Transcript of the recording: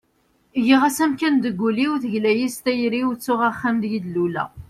giɣ-as amkan deg ul-iw, tegla-yi s tayri-w, ttuɣ axxam deg i d-luleɣ